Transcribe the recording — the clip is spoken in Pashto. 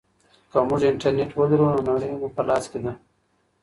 که موږ انټرنیټ ولرو نو نړۍ مو په لاس کې ده.